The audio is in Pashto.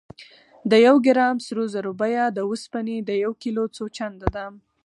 د یو ګرام سرو زرو بیه د اوسپنې د یو کیلو څو چنده ده.